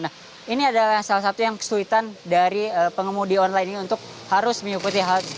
nah ini adalah salah satu yang kesulitan dari pengemudi online ini untuk harus mengikuti hal tersebut